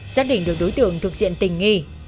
xác định được đối tượng thực diện tình nghi